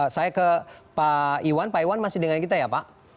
saya ke pak iwan pak iwan masih dengan kita ya pak